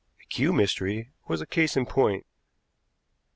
The Kew mystery was a case in point.